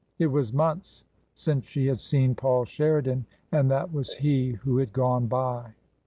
It was months since she had seen Paul Sheridan, and that was he who had gone by.